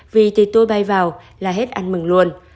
vì thì tôi bay vào là hết ăn mừng luôn